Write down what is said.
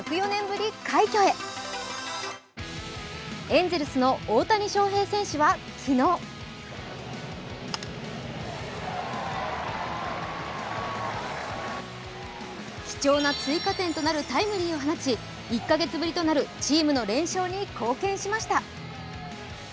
エンゼルスの大谷翔平選手は昨日貴重な追加点となるタイムリーを放ち、１カ月ぶりとなるチームの連勝に貢献しました。